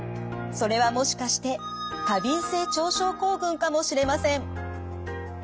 それはもしかして過敏性腸症候群かもしれません。